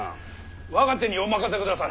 我が手にお任せくだされ！